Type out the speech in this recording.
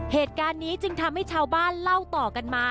เหตุการณ์นี้จึงทำให้ชาวบ้านเล่าต่อกันมา